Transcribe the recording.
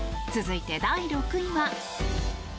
続いて、第６位は。